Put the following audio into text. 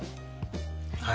はい。